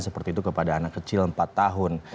seperti itu kepada anak kecil empat tahun